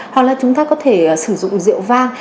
hoặc là chúng ta có thể sử dụng rượu vang